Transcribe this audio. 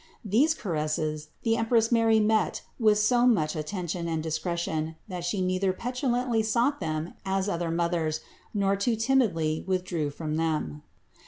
These caresses the Empress Mary met with so much attention and discretion that She neither petulantly sought them as other mothers, nor too timidly withdrew from them.